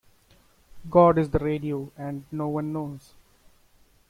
'God is the Radio' and 'No One Knows'.